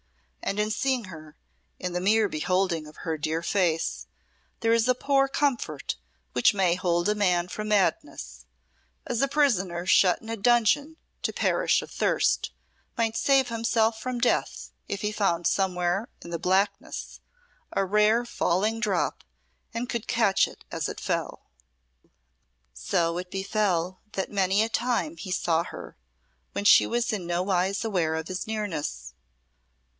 And in seeing her, in the mere beholding of her dear face, there is a poor comfort which may hold a man from madness as a prisoner shut in a dungeon to perish of thirst, might save himself from death if he found somewhere in the blackness a rare falling drop and could catch it as it fell." So it befel that many a time he saw her when she was in nowise aware of his nearness.